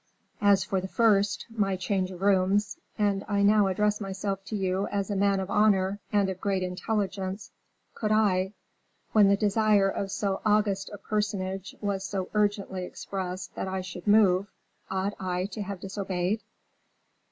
"As for the first, my change of rooms, and I now address myself to you as a man of honor and of great intelligence, could I, when the desire of so august a personage was so urgently expressed that I should move, ought I to have disobeyed?"